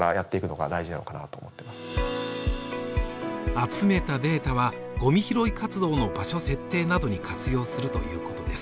集めたデータは、ごみ拾い活動の場所設定などに活用するということです。